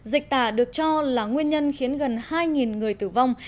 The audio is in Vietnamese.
dịch tả được cho là nguyên nhân khiến gần hai người tử vong